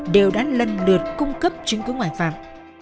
đều đã lần lượt cung cấp chứng cứ ngoại phạm